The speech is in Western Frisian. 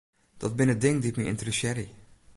Dat binne dingen dy't my ynteressearje.